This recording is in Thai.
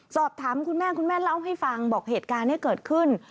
สอบถามคุณแม่คุณแม่เล่าให้ฟังบอกเหตุการณ์นี้เกิดขึ้น